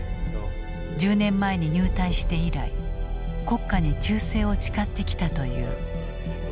１０年前に入隊して以来国家に忠誠を誓ってきたという。